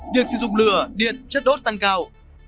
việc sử dụng lửa điện chất đốt tăng cao